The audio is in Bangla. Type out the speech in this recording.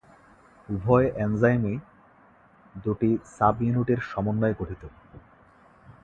উভয় এনজাইমই দুটি সাব-ইউনিটের সমন্বয়ে গঠিত।